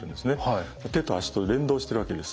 手と足と連動してるわけです。